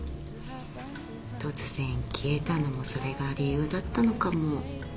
突然消えたのもそれが理由だったのかも？